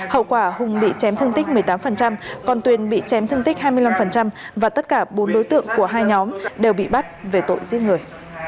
hậu quả hùng bị chém thương tích một mươi tám còn tuyền bị chém thương tích hai mươi năm và tất cả bốn đối tượng của hai nhóm đều bị bắt về tội giết người